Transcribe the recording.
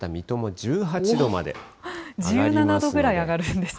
１７度ぐらい上がるんですね。